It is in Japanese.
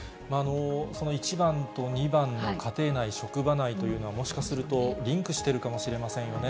その１番と２番の家庭内、職場内というのは、もしかするとリンクしているかもしれませんよね。